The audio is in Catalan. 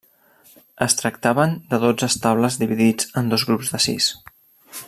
Es tractaven de dotze estables dividits en dos grups de sis.